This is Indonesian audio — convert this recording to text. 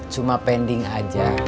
cuma pending aja